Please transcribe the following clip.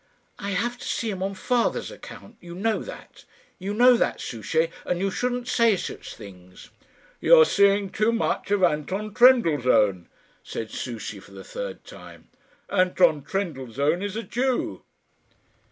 "I have to see him on father's account. You know that. You know that, Souchey, and you shouldn't say such things." "You are seeing too much of Anton Trendellsohn," said Souchey for the third time. "Anton Trendellsohn is a Jew."